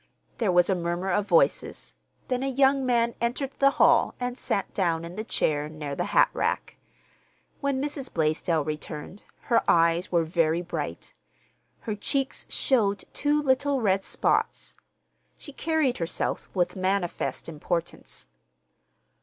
There was a murmur of voices, then a young man entered the hall and sat down in the chair near the hatrack. When Mrs. Blaisdell returned her eyes were very bright. Her cheeks showed two little red spots. She carried herself with manifest importance.